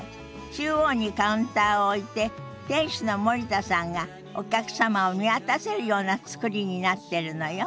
中央にカウンターを置いて店主の森田さんがお客様を見渡せるような造りになってるのよ。